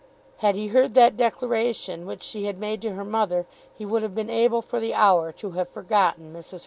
Had he heard that declaration which she had made to her mother, he would have been able for the hour to have forgotten Mrs. Hurtle.